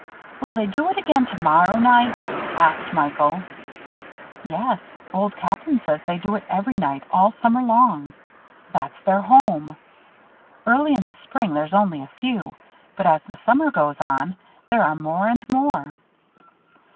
"Will they do it again tomorrow night?" asked Michael. "Yes, Old Captain says they do it every night all summer long. That's their home. Early in the spring there's only a few; but as the summer goes on, there are more and more."